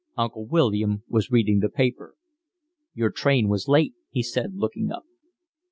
Uncle William was reading the paper. "Your train was late," he said, looking up.